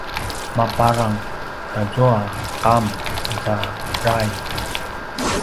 mapadrang tuazua qam aza drail